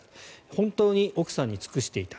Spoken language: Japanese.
本当に奥さんに尽くしていた。